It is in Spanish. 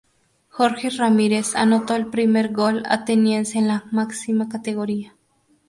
Jorge Ramírez anotó el primer gol ateniense en la máxima categoría.